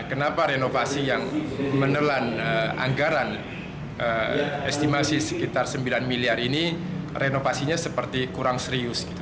kenapa renovasi yang menelan anggaran estimasi sekitar sembilan miliar ini renovasinya seperti kurang serius